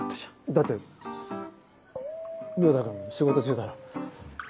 だって良太君仕事中だろ。